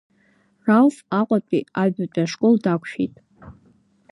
Рауф Аҟәатәи аҩбатәи ашкол дақәшәеит.